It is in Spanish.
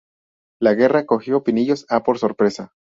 La guerra cogió Pinillos a por sorpresa.